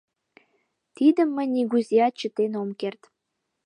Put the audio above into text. Тидым мый нигузеат чытен ом керт.